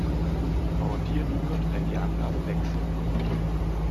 Rotiert wird, wenn die Angabe wechselt.